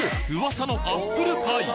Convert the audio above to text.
噂のアップルパイ！